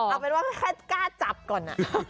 เอาเป็นว่าแค่กล้าจับก่อน